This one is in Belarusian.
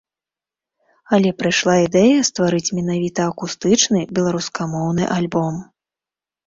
Але прыйшла ідэя стварыць менавіта акустычны беларускамоўны альбом.